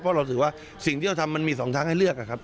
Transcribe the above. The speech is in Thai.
เพราะเราถือว่าสิ่งที่เราทำมันมีสองทางให้เลือกครับ